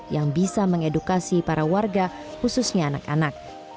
yang bisa mengedukasi para warga khususnya anak anak